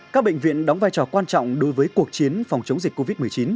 các bệnh viện đóng vai trò quan trọng đối với cuộc chiến phòng chống dịch covid một mươi chín